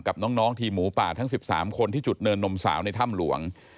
กับน้องทีมหมูป่าทั้ง๑๓คนที่จุดเนินนมสาวในถ้ำหลวง